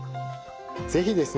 是非ですね